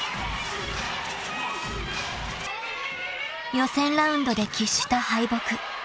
［予選ラウンドで喫した敗北］